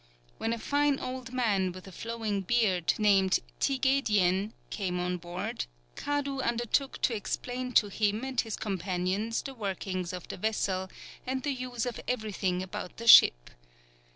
When a fine old man with a flowing beard, named Tigedien, came on board, Kadu undertook to explain to him and his companions the working of the vessel and the use of everything about the ship.